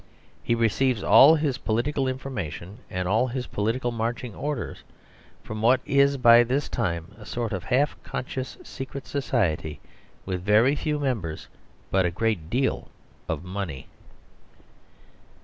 He receives all his political information and all his political marching orders from what is by this time a sort of half conscious secret society, with very few members, but a great deal of money.